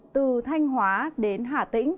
từ thanh hóa đến hà tĩnh